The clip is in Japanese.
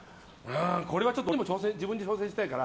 これはでも自分で挑戦したいから。